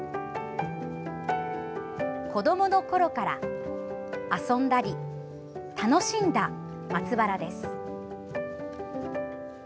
「子どもの頃から遊んだり楽しんだ松原です」。